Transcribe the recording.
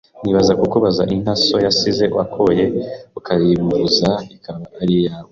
Nibaza kukubaza inka so yasize akoye ukayivuga izaba ari iyawe